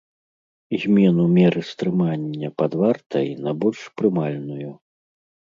Змену меры стрымання пад вартай на больш прымальную.